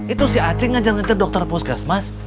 itu si aceh yang nganjurin dokter poskas mas